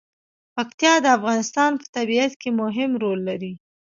پکتیا د افغانستان په طبیعت کې مهم رول لري.